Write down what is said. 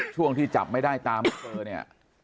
ช่วงที่จับไม่ได้ตามเบอร์นี่